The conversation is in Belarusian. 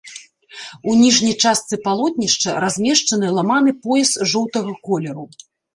У ніжняй частцы палотнішча размешчаны ламаны пояс жоўтага колеру.